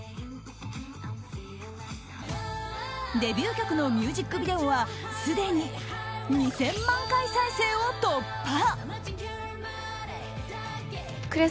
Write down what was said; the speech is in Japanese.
デビュー曲のミュージックビデオはすでに２０００万回再生を突破！